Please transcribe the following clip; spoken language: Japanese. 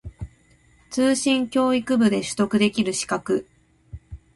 通信教育部で取得できる資格